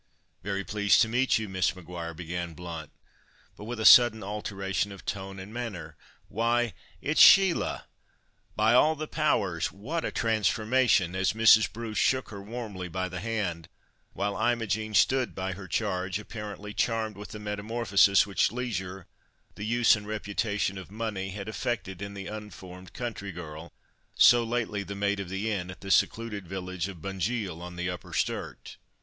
"Very pleased to meet you, Miss Maguire," began Blount, but, with a sudden alteration of tone and manner, "Why, it's Sheila! by all the Powers, what a transformation!" as Mrs. Bruce shook her warmly by the hand, while Imogen stood by her charge, apparently charmed with the metamorphosis which leisure, the use and reputation of "money" had effected in the unformed country girl, so lately the "maid of the Inn," at the secluded village of Bunjil, on the Upper Sturt.